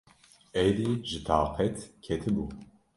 Êdî ji taqet ketibû.